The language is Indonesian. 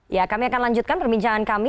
ya kami akan lanjutkan perbincangan kami